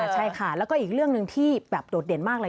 ใช่ค่ะแล้วก็อีกเรื่องหนึ่งที่แบบโดดเด่นมากเลย